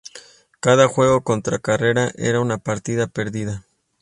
Cada juego contra Carrera, era una partida perdida.